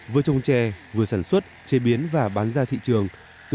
vừa trồng chè vừa sản xuất chế biến và bán ra thị trường